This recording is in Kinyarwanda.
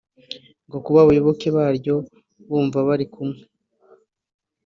ngo kuba abayoboke baryo bumva bari kumwe